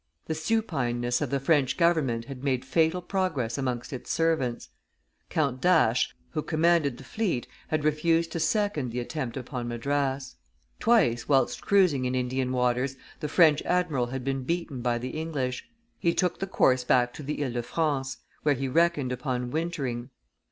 The supineness of the French government had made fatal progress amongst its servants; Count d'Ache, who commanded the fleet, had refused to second the attempt upon Madras; twice, whilst cruising in Indian waters, the French admiral had been beaten by the English; he took the course back to Ile de France, where he reckoned upon wintering.